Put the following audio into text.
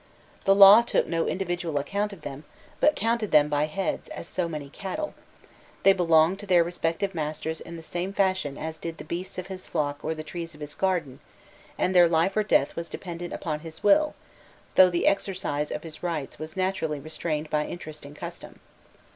The law took no individual account of them, but counted them by heads, as so many cattle: they belonged to their respective masters in the same fashion as did the beasts of his flock or the trees of his garden, and their life or death was dependent upon his will, though the exercise of his rights was naturally restrained by interest and custom.